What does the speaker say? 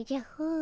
ん？